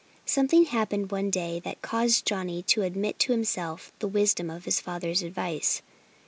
Something happened one day that caused Johnnie to admit to himself the wisdom of his father's advice.